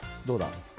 どうだ？